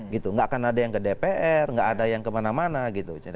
gitu nggak akan ada yang ke dpr nggak ada yang kemana mana gitu